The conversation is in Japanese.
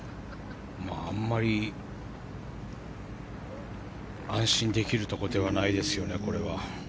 あんまり安心できるところではないですよね、これは。